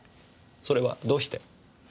それはどうして？